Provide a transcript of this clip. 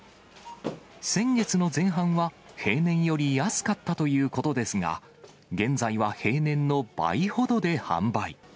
先月の前半は平年より安かったということですが、現在は平年の倍ほどで販売。